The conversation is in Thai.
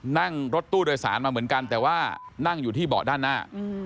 นั่งรถตู้โดยสารมาเหมือนกันแต่ว่านั่งอยู่ที่เบาะด้านหน้า